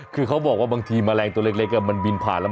คือเขาบอกว่าบางทีแมลงตัวเล็กมันบินผ่านแล้ว